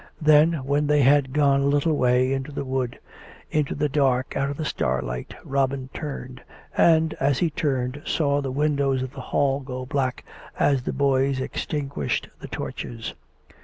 Then, when they had gone a little way into the wood, into the dark out of the starlight, Robin turned; and, as he turned, saw the windows of the hall go black as the boys ex tinguished the torches.